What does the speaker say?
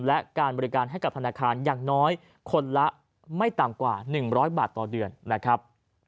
และการบริการให้กับธนาคารอย่างน้อยคนละไม่ต่ำกว่า๑๐๐บาทต่อเดือนนะครับ